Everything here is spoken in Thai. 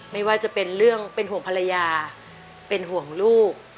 ไม่ว่าจะเป็นเรื่องเป็นห่วงภรรยาเป็นห่วงลูก